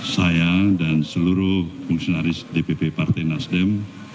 saya dan seluruh fungsionaris dpp partai nasdem